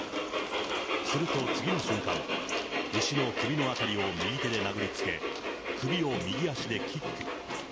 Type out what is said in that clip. すると、次の瞬間、牛の首のあたりを右手で殴りつけ、首を右足でキック。